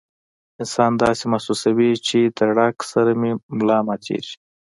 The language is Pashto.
انسان داسې محسوسوي چې د ړق سره مې ملا ماتيږي